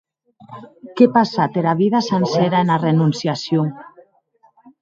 Qu’è passat era vida sancera ena renonciacion!